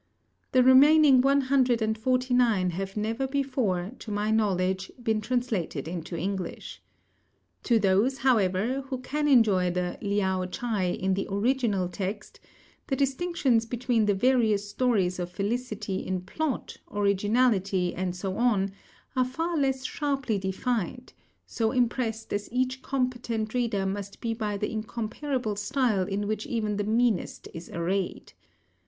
The remaining one hundred and forty nine have never before, to my knowledge, been translated into English. To those, however, who can enjoy the Liao Chai in the original text, the distinctions between the various stories of felicity in plot, originality, and so on, are far less sharply defined, so impressed as each competent reader must be by the incomparable style in which even the meanest is arrayed.